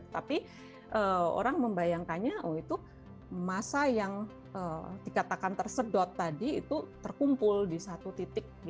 tapi orang membayangkannya oh itu masa yang dikatakan tersedot tadi itu terkumpul di satu titik